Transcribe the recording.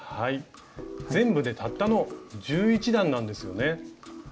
全部でたったの１１段なんですよね。